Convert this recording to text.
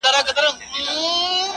په دامنځ کي پیل هم لرو بر ځغستله،